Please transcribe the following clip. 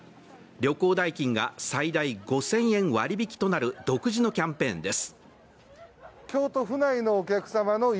旅行代金が最大５０００円割引となる独自のキャンペーンです。